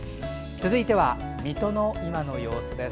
続いては水戸の今の様子です。